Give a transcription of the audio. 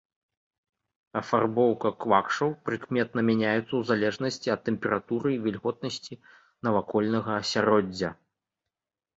Афарбоўка квакшаў прыкметна мяняецца ў залежнасці ад тэмпературы і вільготнасці навакольнага асяроддзя.